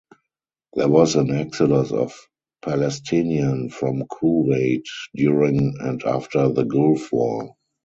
There was an exodus of Palestinian from Kuwait during and after the Gulf War.